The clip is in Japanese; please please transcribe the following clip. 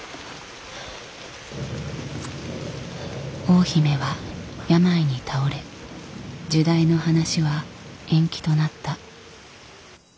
大姫は病に倒れ入内の話は延期となった。